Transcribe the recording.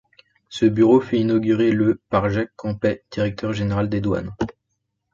Ce bureau fut inauguré le par Jacques Campet, Directeur Général des douanes.